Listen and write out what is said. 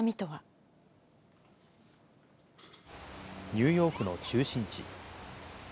ニューヨークの中心地。